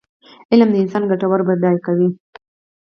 علم د انسان کلتور بډای کوي.